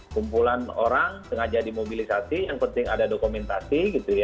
kumpulan orang sengaja dimobilisasi yang penting ada dokumentasi